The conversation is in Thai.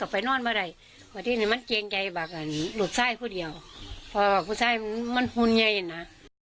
พอหลุดไส้มันหุนเย็นนะ